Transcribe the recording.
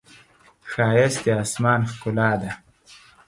ښایست د آسمان ښکلا ده